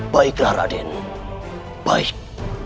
baiklah raden baik